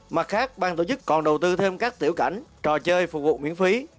mặt khác ban tổ chức còn đầu tư thêm các tiểu cảnh trò chơi phục vụ miễn phí